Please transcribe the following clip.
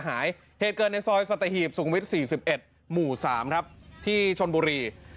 เหตุเกิดในซอยสัตหีบสูงวิทย์๔๑หมู่๓ครับที่ชนบุรี